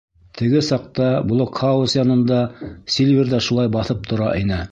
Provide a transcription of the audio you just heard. Теге саҡта блокһауз янында Сильвер ҙа шулай баҫып тора ине.